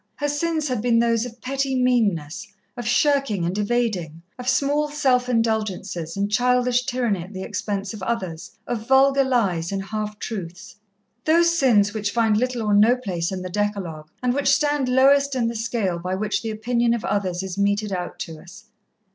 Her sins had been those of petty meanness, of shirking and evading, of small self indulgences and childish tyranny at the expense of others, of vulgar lies and half truths. Those sins which find little or no place in the decalogue, and which stand lowest in the scale by which the opinion of others is meted out to us.